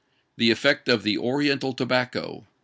THE EFFECT OF THE ORIENTAL TOBACCO.